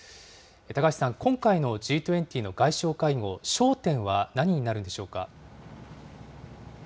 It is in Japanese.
高橋さん、今回のＧ２０の外相会合、焦点は何になるんでしょうか。